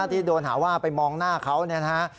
ที่โดนหาว่าไปมองหน้าเขาเนี่ยนะฮะ